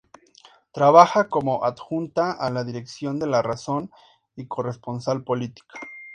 Trabaja como adjunta a la dirección de La Razón y corresponsal política.